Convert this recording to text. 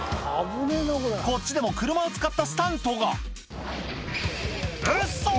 こっちでも車を使ったスタントがウッソ！